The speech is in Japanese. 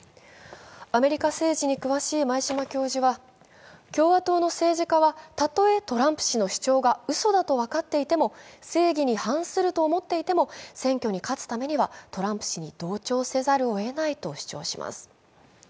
アメリカ政治に詳しい前嶋教授は、共和党の政治家はたとえトランプ氏の主張がうそだと分かっていても、正義に反すると思っていても選挙に勝つためにはトランプ氏に同調せざるをえないと主張します。